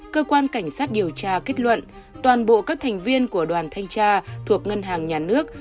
cơ quan cảnh sát điều tra kết luận toàn bộ các thành viên của đoàn thanh tra thuộc ngân hàng nhà nước